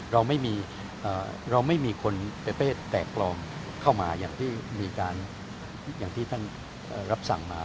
เราไม่มีเราไม่มีคนประเภทแตกปลอมเข้ามาอย่างที่มีการอย่างที่ท่านรับสั่งมา